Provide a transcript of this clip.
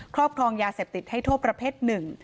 ครอบครองยาเสพติดให้โทษประเภทหนึ่ง